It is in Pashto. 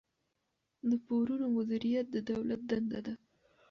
د پورونو مدیریت د دولت دنده ده.